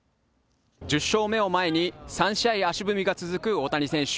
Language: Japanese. １０勝目を前に３試合足踏みが続く大谷選手。